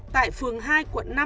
tại phường hai quận năm